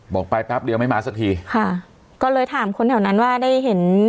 บอกไปแป๊บเดียวไม่มาสักทีค่ะก็เลยถามคนแถวนั้นว่าได้เห็น